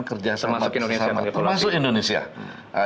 kerjasama kerjasama termasuk indonesia